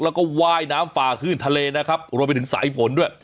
แล้วก็ว่ายน้ำฝ่าขึ้นทะเลนะครับรวมไปถึงสายฝนด้วย